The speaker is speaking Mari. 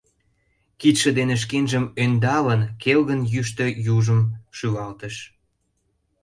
Кидше дене шкенжым ӧндалын, келгын йӱштӧ южым шӱлалтыш.